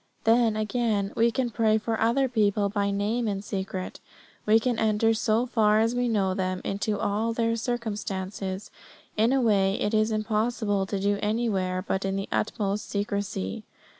Then, again, we can pray for other people by name in secret; we can enter, so far as we know them, into all their circumstances in a way it is impossible to do anywhere but in the utmost secrecy.